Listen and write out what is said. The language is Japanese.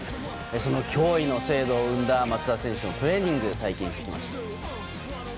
その驚異の精度を生んだ松田選手のトレーニングを体験してきました。